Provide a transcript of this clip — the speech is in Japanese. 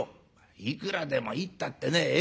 「いくらでもいいったってね。ええ？」。